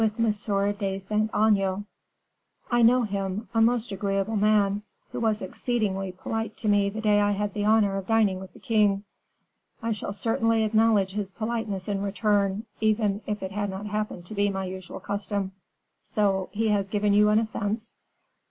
de Saint Aignan." "I know him a most agreeable man, who was exceedingly polite to me the day I had the honor of dining with the king. I shall certainly acknowledge his politeness in return, even if it had not happened to be my usual custom. So, he has given you an offense?"